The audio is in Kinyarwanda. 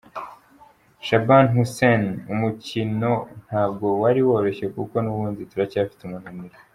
Shaban Hussein: Umukino ntabwo wari woroshye kuko n’ubundi turacyafite umunaniro.